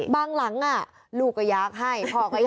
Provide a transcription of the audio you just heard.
บางหลังลูกก็ยากให้